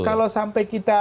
ya karena kalau sampai kita